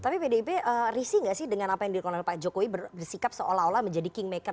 tapi pdip risih gak sih dengan apa yang dilakukan oleh pak jokowi bersikap seolah olah menjadi kingmaker